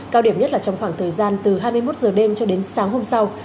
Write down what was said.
cao điểm nhất là trong khoảng thời gian từ hai mươi một h đêm cho đến sáng hôm sau